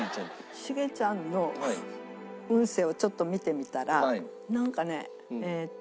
しげちゃんの運勢をちょっと見てみたらなんかねえーっと。